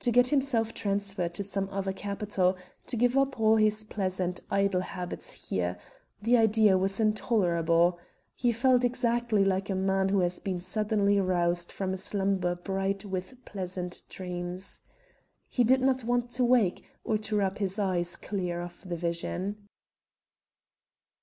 To get himself transferred to some other capital, to give up all his pleasant idle habits here the idea was intolerable! He felt exactly like a man who has been suddenly roused from a slumber bright with pleasant dreams. He did not want to wake, or to rub his eyes clear of the vision.